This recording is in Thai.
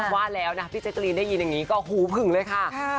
ว่าแล้วนะพี่แจ๊กรีนได้ยินอย่างนี้ก็หูผึ่งเลยค่ะ